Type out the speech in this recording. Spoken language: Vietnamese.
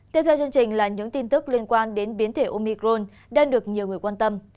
tiếp theo chương trình là những tin tức liên quan đến biến thể omicron đang được nhiều người quan tâm